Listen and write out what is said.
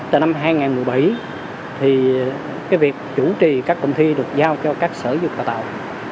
từ năm hai nghìn bảy thì cái việc chủ trì các công thi được giao cho các sở dục tạo tạo